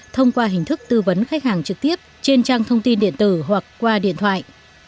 thông qua hình thức tư vấn khách hàng trực tiếp trên trang thông tin điện tử hoặc qua điện thoại